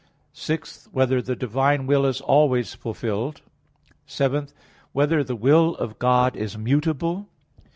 (6) Whether the divine will is always fulfilled? (7) Whether the will of God is mutable?